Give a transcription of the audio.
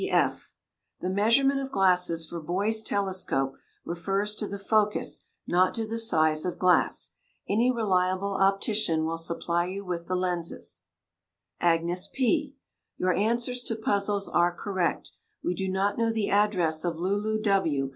C. D. F. The measurement of glasses for "Boy's Telescope" refers to the focus, not to the size of glass. Any reliable optician will supply you with the lenses. AGNES P. Your answers to puzzles are correct. We do not know the address of Lulu W.